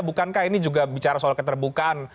bukankah ini juga bicara soal keterbukaan